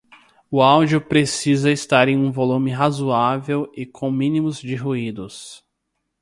o áudio precisa estar em um volume razoável e com o mínimo de ruídos